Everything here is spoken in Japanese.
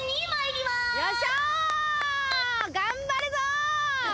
頑張るぞ！